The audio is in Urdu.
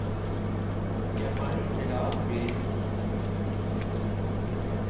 جاپانی سیلابریز